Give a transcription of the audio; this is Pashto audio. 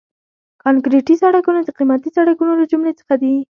کانکریټي سړکونه د قیمتي سړکونو له جملې څخه دي